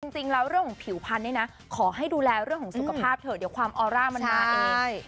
จริงแล้วเรื่องของผิวพันธุ์เนี่ยนะขอให้ดูแลเรื่องของสุขภาพเถอะเดี๋ยวความออร่ามันมาเอง